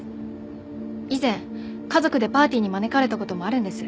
以前家族でパーティーに招かれた事もあるんです。